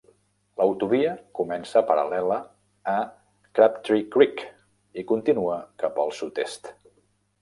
L'autovia comença paral·lela a Crabtree Creek i continua cap al sud-est.